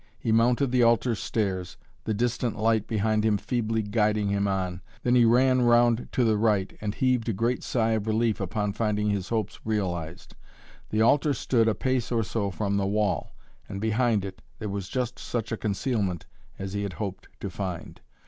He mounted the altar stairs, the distant light behind him feebly guiding him on, then he ran round to the right and heaved a great sigh of relief upon finding his hopes realized. The altar stood a pace or so from the wall, and behind it there was just such a concealment as he had hoped to find.